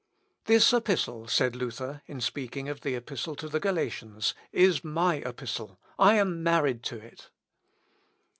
"This epistle," said Luther, in speaking of the Epistle to the Galatians, "is my epistle I am married to it."